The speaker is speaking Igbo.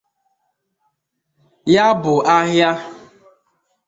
Ya bụ ahịa